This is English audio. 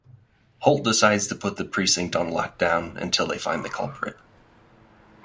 Holt decides to put the precinct on lockdown until they find the culprit.